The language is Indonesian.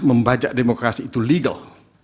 membajak demokrasi itu legal